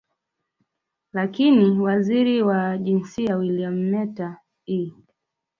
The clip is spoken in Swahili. Lakini Waziri wa Jinsia Williametta E